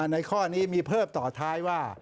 ในข้อนี้มีเพิ่มต่อท้ายว่า